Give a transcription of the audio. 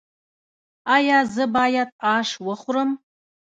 ایا زه باید اش وخورم؟